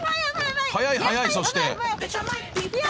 ［速い速いそして］